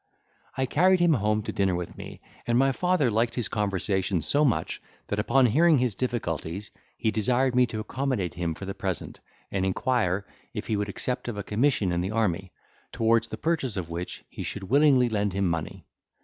I carried him home to dinner with me, and my father liked his conversation so much, that, upon hearing his difficulties, he desired me to accommodate him for the present, and inquire, if he would accept of a commission in the army, towards the purchase of which he should willingly lend him money.